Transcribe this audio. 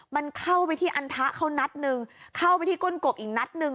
มันเข้าไปที่อันทะเขานัดหนึ่งเข้าไปที่ก้นกบอีกนัดหนึ่ง